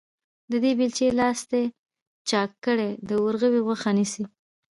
د دې بېلچې لاستي چاک کړی، د ورغوي غوښه نيسي.